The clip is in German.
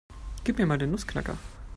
Gib mir mal den Nussknacker.